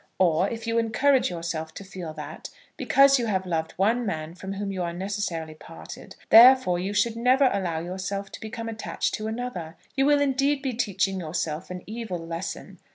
Or if you encourage yourself to feel that, because you have loved one man from whom you are necessarily parted, therefore you should never allow yourself to become attached to another, you will indeed be teaching yourself an evil lesson.